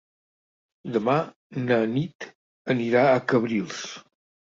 Demà na Nit anirà a Cabrils.